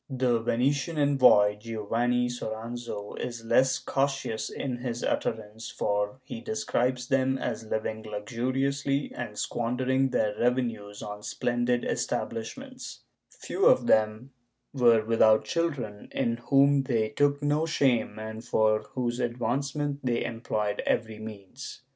^ The Venitian envoy, Giovanni Soranzo is less cautious in his utterance, for he describes them as living luxuriously and squandering their revenues on splendid establishments; few of them were without children, in whom they took no shame and for whose advancement they employed every means.